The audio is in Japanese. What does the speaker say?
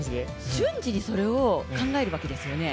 瞬時にそれを考えるわけですよね？